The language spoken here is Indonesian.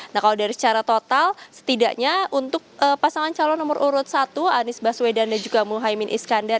nah kalau dari secara total setidaknya untuk pasangan calon nomor urut satu anies baswedan dan juga muhaymin iskandar